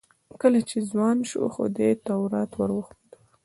کله چې ځوان شو خدای تورات ور وښود.